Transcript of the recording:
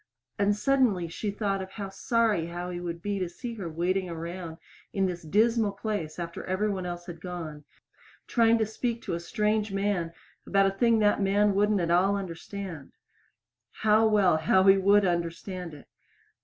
And suddenly she thought of how sorry Howie would be to see her waiting around in this dismal place after every one else had gone, trying to speak to a strange man about a thing that man wouldn't at all understand. How well Howie would understand it!